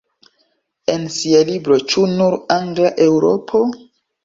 En sia libro "Ĉu nur-angla Eŭropo?